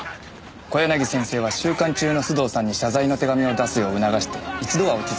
小柳先生は収監中の須藤さんに謝罪の手紙を出すよう促して一度は落ち着きました。